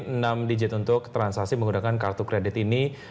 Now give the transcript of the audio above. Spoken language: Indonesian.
jika pemberlakuan pin enam digit untuk transaksi menggunakan kartu kredit ini